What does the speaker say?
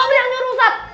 sobri yang nyuruh ustadz